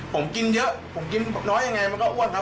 ผมกินเยอะผมกินน้อยยังไงมันก็อ้วนครับ